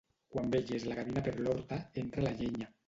Quan veges la gavina per l'horta, entra la llenya.